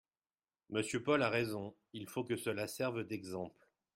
Monsieur Paul a raison, il faut que cela serve d’exemple.